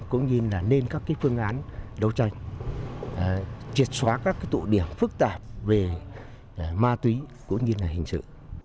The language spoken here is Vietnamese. cũng như là nên các phương án đấu tranh triệt xóa các tụ điểm phức tạp về ma túy cũng như là hình sự